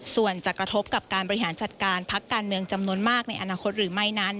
ส่วนจะกระทบกับการบริหารจัดการพักการเมืองจำนวนมากในอนาคตหรือไม่นั้น